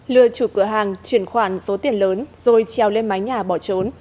lừa chủ cửa hàng chuyển khoản số tiền lớn rồi treo lên mái nhà bỏ trốn